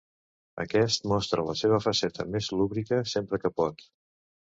Aquest mostra la seva faceta més lúbrica, sempre que pot.